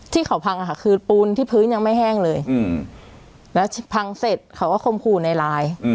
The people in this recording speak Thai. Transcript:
ที่เขาพังค่ะคือปูนที่พื้นยังไม่แห้งเลยแล้วพังเสร็จเขาก็คมขู่ในไลน์